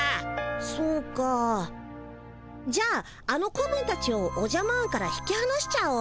そうかじゃああの子分たちをおじゃマーンから引きはなしちゃおう。